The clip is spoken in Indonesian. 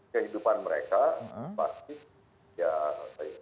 kehidupan mereka pasti ya